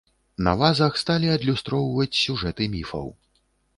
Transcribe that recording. На вазах сталі адлюстроўваць сюжэты міфаў.